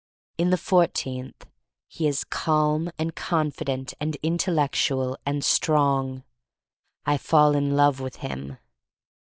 In the fourteenth he is calm and con fident and intellectual — and strong. I fall in love with him.